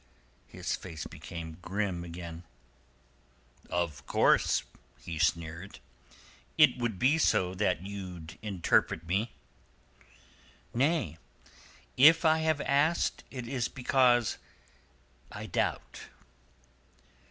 His face became grim again. "Of course," he sneered, "it would be so that you'd interpret me." "Nay. If I have asked it is because I doubt."